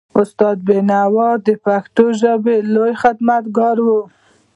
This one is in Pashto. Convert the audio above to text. استاد بینوا د پښتو ژبې لوی خدمتګار و.